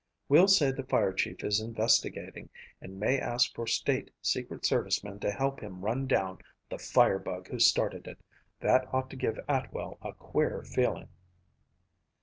We'll say the fire chief is investigating and may ask for state secret service men to help him run down the fire bug who started it. That ought to give Atwell a queer feeling."